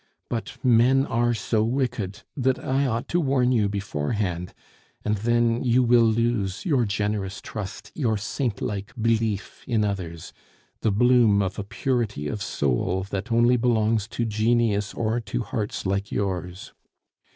But men are so wicked, that I ought to warn you beforehand... and then you will lose your generous trust, your saint like belief in others, the bloom of a purity of soul that only belongs to genius or to hearts like yours....